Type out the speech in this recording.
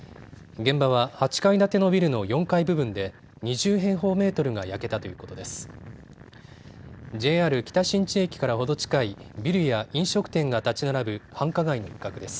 現場は８階建てのビルの４階部分で２０平方メートルが焼けたということです。